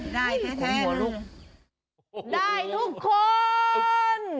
ได้ทุกคน